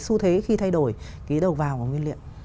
xu thế khi thay đổi cái đầu vào của nguyên liệu